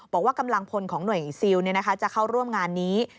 บอกว่ากำลังพลของหน่วยซิลจะเข้าร่วมงานนี้